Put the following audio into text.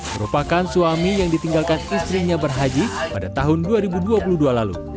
merupakan suami yang ditinggalkan istrinya berhaji pada tahun dua ribu dua puluh dua lalu